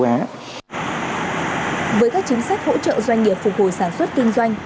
với các chính sách hỗ trợ doanh nghiệp phục hồi sản xuất kinh doanh